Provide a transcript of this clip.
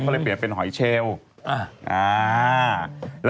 ก็เลยเปลี่ยนเป็นหอยเชล